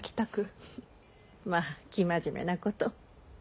まぁ生真面目なこと。